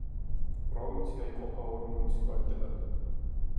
პროვინცია იყოფა ორ მუნიციპალიტეტად.